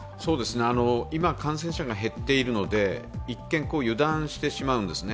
今感染者が減っているので一見油断してしまうんですね。